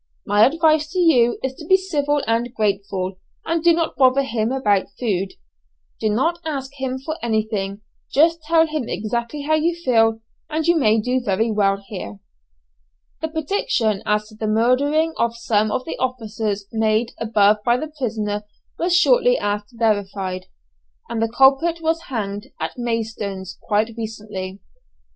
My advice to you is to be civil and grateful, and do not bother him about food. Do not ask him for anything, just tell him exactly how you feel, and you may do very well here." The prediction as to the murdering of some of the officers made above by the prisoner was shortly after verified, and the culprit was hanged at Maidstone quite recently.